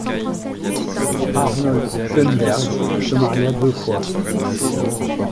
Arnold Schönberg se maria deux fois.